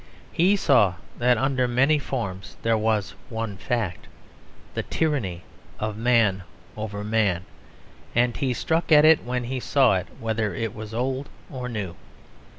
He saw that under many forms there was one fact, the tyranny of man over man; and he struck at it when he saw it, whether it was old or new.